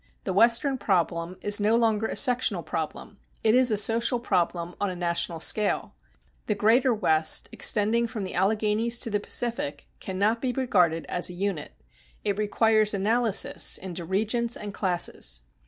The Western problem is no longer a sectional problem: it is a social problem on a national scale. The greater West, extending from the Alleghanies to the Pacific, cannot be regarded as a unit; it requires analysis into regions and classes.